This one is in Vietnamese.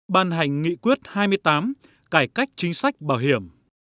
ban hành nghị quyết hai mươi tám cải cách chính sách bảo hiểm